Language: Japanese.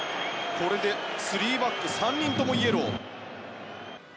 これで、３バック３人ともイエロー。